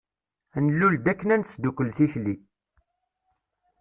Nlul-d akken ad nesdukkel tikli.